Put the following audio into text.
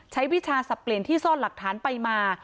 วิชาสับเปลี่ยนที่ซ่อนหลักฐานไปมา